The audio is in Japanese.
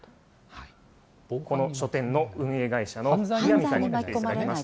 この書店の運営会社の南さんに来てもらいました。